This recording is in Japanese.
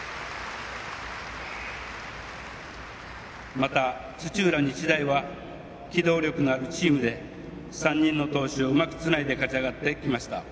また、土浦日大は機動力のあるチームで３人の投手を、うまくつないで勝ち上がってきました。